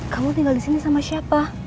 kamu tinggal di sini sama siapa